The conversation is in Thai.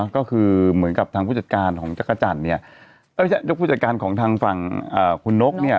ก็คือเหมือนกับทางผู้จัดการของจักรจันทร์เนี่ยยกผู้จัดการของทางฝั่งคุณนกเนี่ย